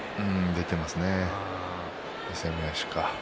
出ていますね、勇み足が。